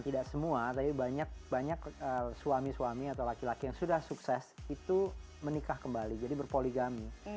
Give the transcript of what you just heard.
tidak semua tapi banyak banyak suami suami atau laki laki yang sudah sukses itu menikah kembali jadi berpoligami